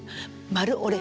マルオレ。